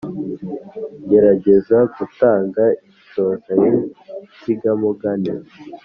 gerageza gutanga inshoza y’insigamugani.